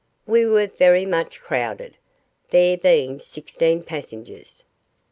We were very much crowded, there being sixteen passengers.